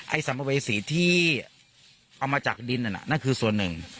ไอ้สัมเวสีที่เอามาจากดินน่ะน่ะคือส่วนหนึ่ง